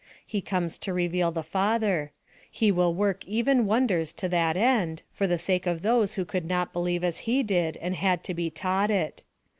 He comes to reveal the Father. He will work even wonders to that end, for the sake of those who could not believe as he did and had to be taught it.